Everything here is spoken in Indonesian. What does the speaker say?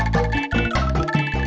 masuk ke hinduberg